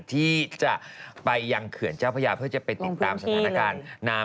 ที่จะไปยังเขื่อนเจ้าพระยาเพื่อจะไปติดตามสถานการณ์น้ำ